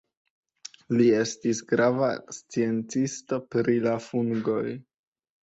Li estis grava sciencisto pri la fungoj.